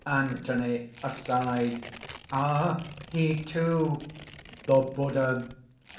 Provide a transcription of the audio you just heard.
ANTHONY (aside). "Ah! he too ..." THE BUDDHA.